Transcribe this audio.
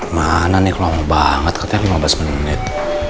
mana nih kromo banget katanya lima belas menit